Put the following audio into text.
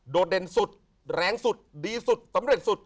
เด่นสุดแรงสุดดีสุดสำเร็จสุด